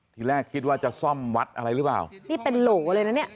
ทีแรกคิดว่าจะซ่อมวัดอะไรหรือเปล่านี่เป็นโหลเลยนะเนี่ย